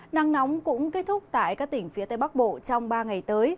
nắng nóng cũng kết thúc tại các tỉnh phía tây bắc bộ trong ba ngày tới